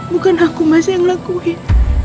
bukan aku masa yang lakuin